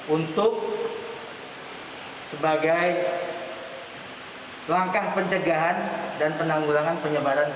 untuk sebagai langkah pencegahan dan penanggulangan penyebaran barat